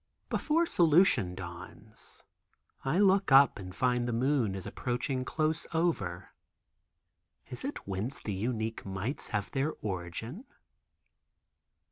Before solution dawns I look up and find the moon is approaching close over. Is it whence the unique mites have their origin?